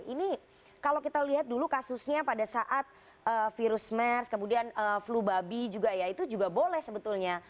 ini kalau kita lihat dulu kasusnya pada saat virus mers kemudian flu babi juga ya itu juga boleh sebetulnya